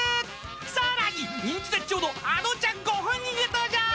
更に、人気絶頂のあのちゃんご本人が登場。